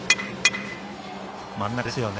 真ん中ですよね。